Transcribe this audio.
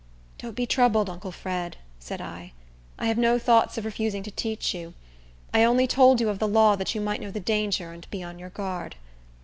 "Don't be troubled, uncle Fred," said I. "I have no thoughts of refusing to teach you. I only told you of the law, that you might know the danger, and be on your guard."